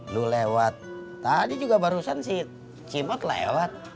lu lewat tadi juga barusan si cimok lewat